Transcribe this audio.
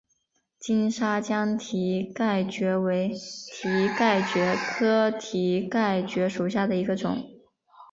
金沙江蹄盖蕨为蹄盖蕨科蹄盖蕨属下的一个种。